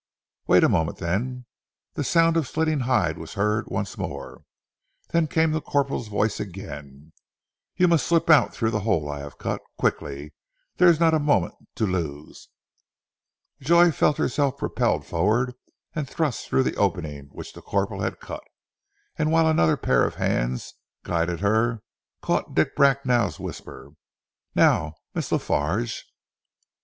"Wait a moment, then." The sound of slitting hide was heard once more, then came the corporal's voice again, "You must slip out through the hole I have cut. Quickly! There is not a moment to lose." Joy felt herself propelled forward and thrust through the opening which the corporal had cut, and whilst another pair of hands guided her, caught Dick Bracknell's whisper, "Now Miss La Farge!"